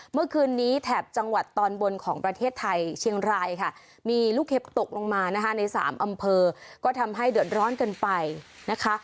เมื่อคืนนี้แถบจังหวัดตอนบนของประเทศไทยเชียงรายค่ะมีลูกเห็บตกลงมานะคะในสามอำเภอก็ทำให้เดือดร้อนกันไปนะคะ